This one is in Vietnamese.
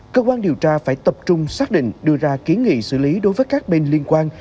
cơ quan điều tra phải tập trung xác định đưa ra kiến nghị xử lý đối với các bên liên quan